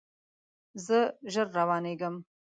زه ژر روانیږم